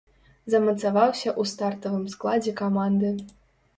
Замацаваўся ў стартавым складзе каманды.